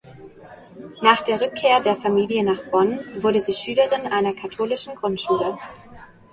Nach der Rückkehr der Familie nach Bonn wurde sie Schülerin einer katholischen Grundschule.